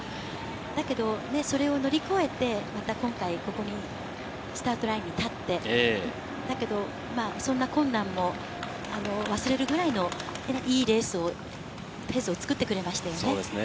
だけどね、それを乗り越えて、また今回、ここに、スタートラインに立って、だけど、そんな困難も忘れるぐらいのいいレースを、ペースを作ってくれまそうですね。